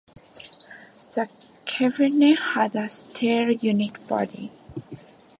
The Kabine had a steel unit body.